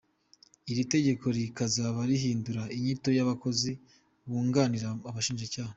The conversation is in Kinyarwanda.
Iri tegeko rikazaba rihindura inyito y’abakozi bunganira Abashinjacyaha.